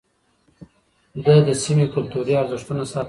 ده د سيمې کلتوري ارزښتونه ساتل.